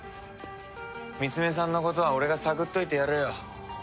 ミツメさんのことは俺が探っといてやるよ兄弟。